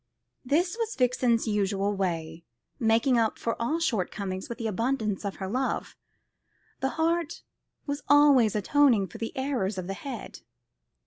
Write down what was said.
This was Vixen's usual way, making up for all shortcomings with the abundance of her love. The heart was always atoning for the errors of the head.